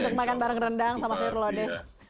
untuk makan bareng rendang sama sayur lodeh